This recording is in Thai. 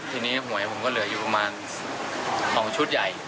ทีนี้หวยผมก็เหลืออยู่ประมาณ๒ชุดใหญ่